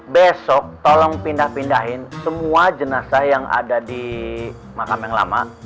besok tolong pindah pindahin semua jenazah yang ada di makam yang lama